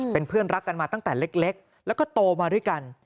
เป็นเพื่อนรักกันมาตั้งแต่เล็กแล้วก็โตมาด้วยกัน